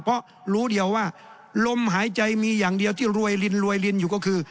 เพราะรู้เดียวว่าลมหายใจมีอย่างเดียวที่รวยลินรวยลินอยู่ก็คือ